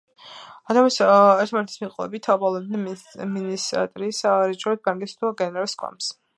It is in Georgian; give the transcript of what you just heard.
ერთმანეთის მიყოლებით პოულობენ მინისტრის, რეჟისორის, ბანკირის თუ გენერლის გვამს.